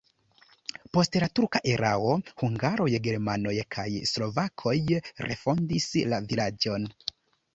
Post la turka erao hungaroj, germanoj kaj slovakoj refondis la vilaĝon.